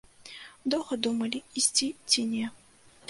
Доўга думалі, ісці ці не.